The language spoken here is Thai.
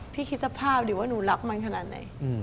คิดสภาพดิว่าหนูรักมันขนาดไหน